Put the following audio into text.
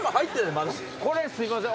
これすいません。